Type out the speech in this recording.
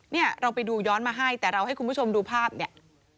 เนี่ยเราไปดูย้อนมาให้แต่เราให้คุณผู้ชมดูภาพเนี่ย